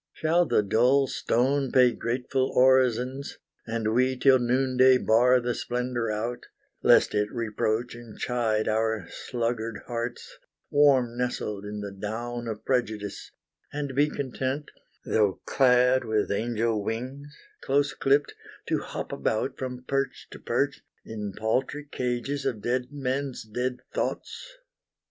Shall the dull stone pay grateful orisons, And we till noonday bar the splendor out, Lest it reproach and chide our sluggard hearts, Warm nestled in the down of Prejudice, And be content, though clad with angel wings, Close clipped, to hop about from perch to perch, In paltry cages of dead men's dead thoughts?